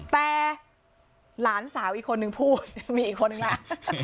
แต่หลานสาวอีกคนนึงพูดมีอีกคนนึงล่ะ